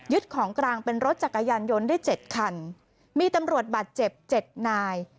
ของกลางเป็นรถจักรยานยนต์ได้เจ็ดคันมีตำรวจบาดเจ็บเจ็ดนาย